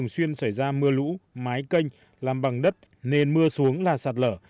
để ra mưa lũ mái canh làm bằng đất nên mưa xuống là sạc lở